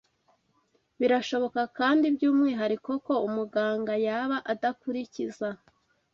Birashoboka kandi by’umwihariko ko umuganga yaba adakurikiza